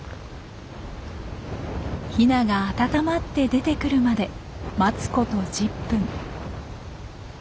ヒナが温まって出てくるまで待つこと１０分。